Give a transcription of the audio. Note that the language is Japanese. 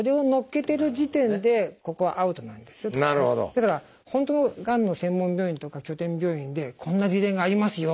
だから本当のがんの専門病院とか拠点病院で「こんな事例がありますよ」